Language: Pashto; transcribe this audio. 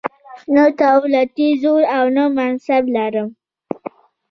نه دولتي زور او منصب لرم.